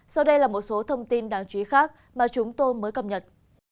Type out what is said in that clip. sau đây là một số thông tin đáng chú ý khác mà chúng tôi mới cập nhật